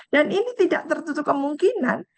ini tidak tertutup kemungkinan